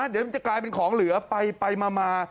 เดี๋ยวมันจะกลายเป็นของเหลือไปมา